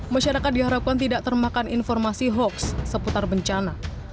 masyarakat diharapkan tidak termakan informasi hoax seputar bencana